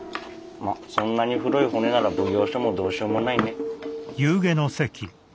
まっそんなに古い骨なら奉行所もどうしようもないね。